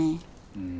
うん。